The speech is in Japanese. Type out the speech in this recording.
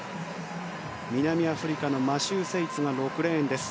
南アフリカのマシュー・セイツが６レーンです。